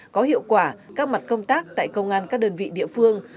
có hiệu quả các mặt công tác tại công an các đơn vị địa phương